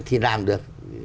thì làm được